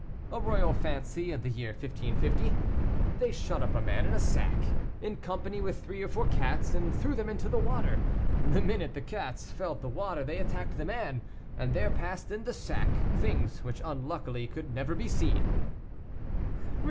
"A royal fancy in the year 1550; they shut up a man in a sack, in company with three or four cats, and threw them into the water. The minute the cats felt the water they attacked the man, and there passed in the sack things which unluckily could never be seen."